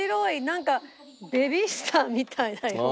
なんかベビースターみたいだよ。